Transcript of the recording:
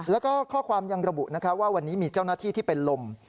แล้วก็ข้อความยังระบุว่าวันนี้มีเจ้าหน้าที่ที่เป็นลม